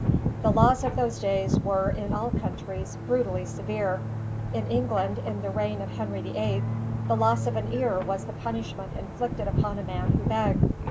The laws of those days were, in all countries, brutally severe. In England, in the reign of Henry the Eighth, the loss of an ear was the punishment inflicted upon a man who begged.